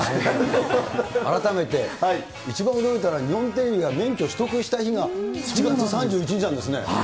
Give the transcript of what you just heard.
改めて、一番驚いたのは、日本テレビが免許取得をした日が７月３１日なんですね。